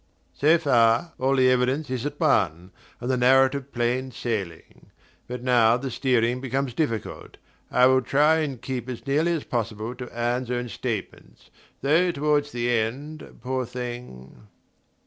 So far, all the evidence is at one, and the narrative plain sailing; but now the steering becomes difficult. I will try to keep as nearly as possible to Anne's own statements; though toward the end, poor thing...